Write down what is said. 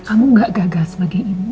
kamu gak gagal sebagai ibu